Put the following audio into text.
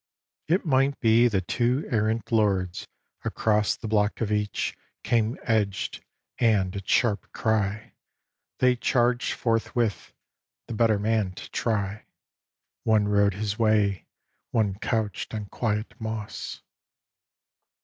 XV It might be that two errant lords across The block of each came edged, and at sharp cry They charged forthwith, the better man to try. One rode his way, one couched on quiet moss.